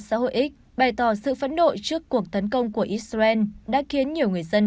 giả hội x bày tỏ sự phẫn nội trước cuộc tấn công của israel đã khiến nhiều người dân